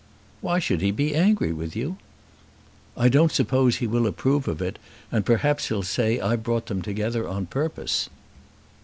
"Why should he be angry with you?" "I don't suppose he will approve of it, and perhaps he'll say I brought them together on purpose."